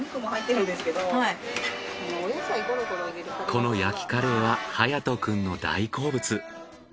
この焼きカレーは隼斗くんの大好物。